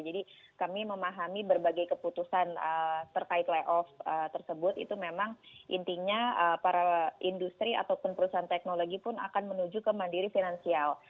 jadi kami memahami berbagai keputusan terkait layoff tersebut itu memang intinya para industri ataupun perusahaan teknologi pun akan menuju ke mandiri finansial